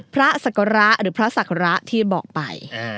ศักระหรือพระศักระที่บอกไป